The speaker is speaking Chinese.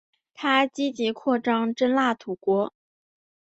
他积极扩张真腊国土。